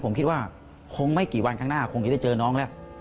ผมคิดว่าคงไม่กี่วันข้างหน้าคงจะได้เจอน้องแล้ว